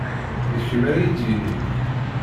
D kemm ara iyi-d-yinin.